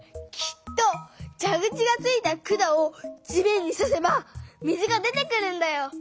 きっとじゃぐちがついた管を地面にさせば水が出てくるんだよ。